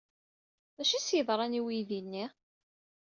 D acu ay as-yeḍran i uydi-nni?